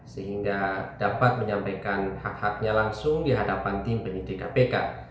sehingga dapat menyampaikan hak haknya langsung di hadapan tim penyidik kpk